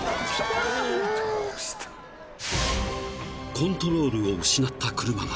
［コントロールを失った車が］